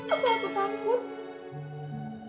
atau aku takut